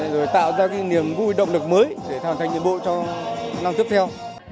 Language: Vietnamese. rồi tạo ra cái niềm vui động lực mới để hoàn thành nhiệm vụ cho năm tiếp theo